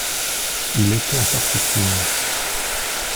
Il était en partie fine.